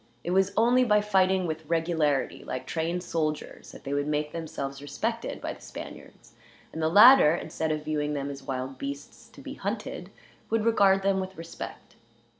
It was only by fighting with regularity, like trained soldiers, that they would make themselves respected by the Spaniards; and the latter, instead of viewing them as wild beasts to be hunted, would regard them with respect.